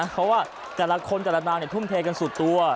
เพราะว่าแต่ละคนแต่ละนางทุ่มเทกันสุดตัว